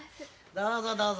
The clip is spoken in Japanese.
どうぞどうぞ。